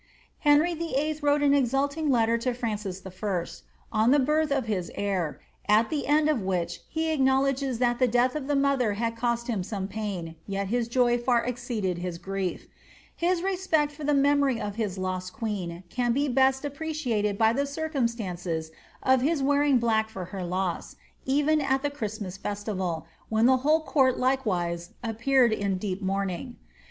Henry VIII. wrote an exulting letter to Francis I. on the birth of his heir, at the end of which he acknowledges that the death of the mother had cost him some pain, yet his joy far exceeded his grief. His respect ibr the memory of his lost queen can be best appreciated by the circum stance of his wearing black for her loss, even at the Christmas festival, when the whole court likewise appeared in deep mourning.'